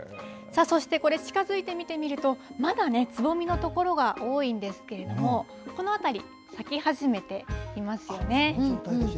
これ、近づいて見てみるとまだつぼみの所が多いんですけれどもこの辺り咲き始めていますよね。